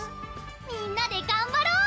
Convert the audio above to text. みんなでがんばろう！